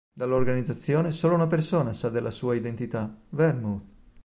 Dell'organizzazione solo una persona sa della sua identità: Vermouth.